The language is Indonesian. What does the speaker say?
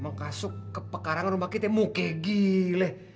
mengasuk ke pekarangan rumah kita muke gile